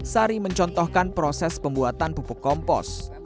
sari mencontohkan proses pembuatan pupuk kompos